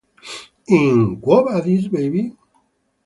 In "Quo vadis, baby?